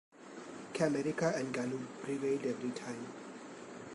Camerica and Galoob prevailed every time.